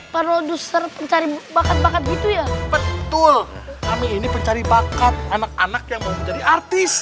produser pencari bakat bakat gitu ya betul kami ini pencari bakat anak anak yang mau jadi artis